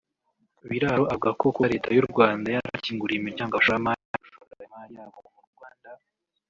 Biraro avuga ko kuba Leta y’u Rwanda yarakinguriye imiryango abashoramari gushora imari yabo mu Rwanda